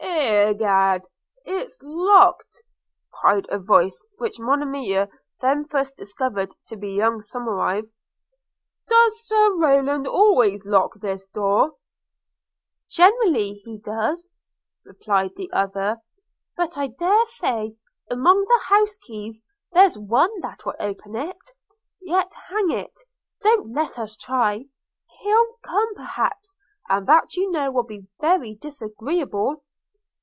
'Egad! it is locked,' cried a voice which Monimia then first discovered to be young Somerive: – 'Does Sir Rowland always lock his door?' 'Generally he does,' replied the other, 'but I dare say among the house keys there's one that will open it – yet, hang it, don't let us try. He'll come perhaps, and that you know will be very disagreeable.'